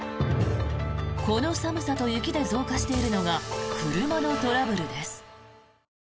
この寒さと雪で増加しているのが車のトラブルです。